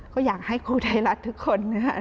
ก็อยากให้ครูไทรัฐทุกคน